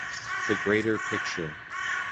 The greater picture.